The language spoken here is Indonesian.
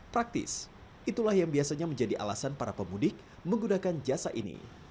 praktis itulah yang biasanya menjadi alasan para pemudik menggunakan jasa ini